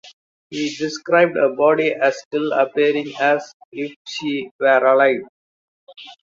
He described her body as still appearing as if she were alive.